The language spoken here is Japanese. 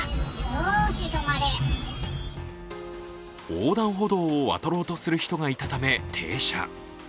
横断歩道を渡ろうとする人がいたため停車。